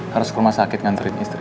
harus ke rumah sakit nganterin istri